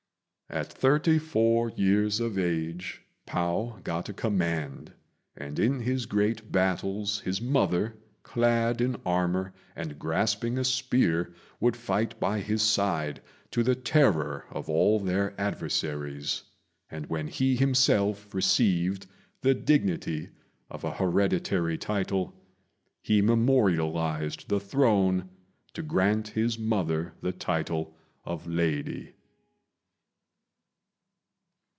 At thirty four years of age Pao got a command; and in his great battles his mother, clad in armour and grasping a spear, would fight by his side, to the terror of all their adversaries; and when he himself received the dignity of an hereditary title, he memorialized the Throne to grant his mother the title of "lady."